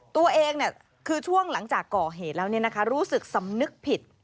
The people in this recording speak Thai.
ตัวเองคือช่วงหลังจากก่อเหตุแล้วรู้สึกสำนึกผิด